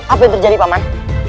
apa yang terjadi paman